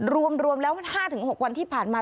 รวมแล้ว๕๖วันที่ผ่านมา